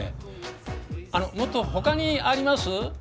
あのもっと他にあります？